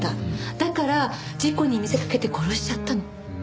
だから事故に見せかけて殺しちゃったの。